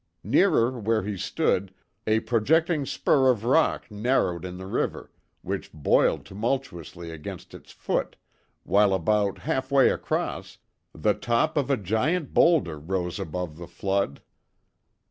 Nearer where he stood, a projecting spur of rock narrowed in the river, which boiled tumultuously against its foot, while about half way across the top of a giant boulder rose above the flood.